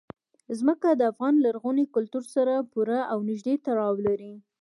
ځمکه د افغان لرغوني کلتور سره پوره او نږدې تړاو لري.